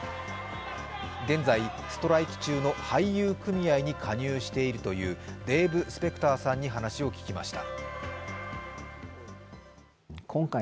現在、ストライキ中の俳優組合に加入しているというデーブ・スペクターさんに話を聞きました。